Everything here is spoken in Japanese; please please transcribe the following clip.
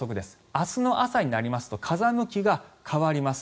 明日の朝になりますと風向きが変わります。